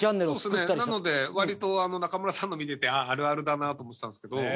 なので割と中田さんの見ててあああるあるだなと思ってたんですけど。